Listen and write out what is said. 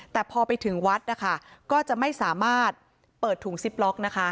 แต่พอไปถึงวัดนะคะก็จะไม่สามารถเปิดถุงซิปล็อกนะคะ